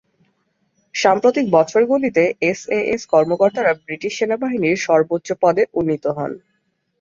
সাম্প্রতিক বছরগুলিতে এসএএস কর্মকর্তারা ব্রিটিশ সেনাবাহিনীর সর্বোচ্চ পদে উন্নীত হন।